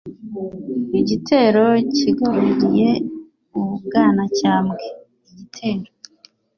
Igitero cyigaruriye u Bwanacyambwe Igitero